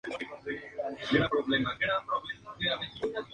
El oficio de cajista se remonta a los inicios de la imprenta.